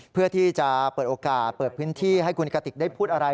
เพื่อที่จะเปิดโอกาสเปิดพื้นที่ให้คุณกติกได้พูดอะไร